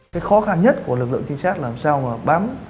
cái khó khăn nhất của lực lượng trinh sát là làm sao mà bám